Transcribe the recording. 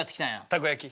たこ焼き。